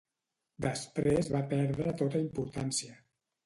Després va perdre tota importància.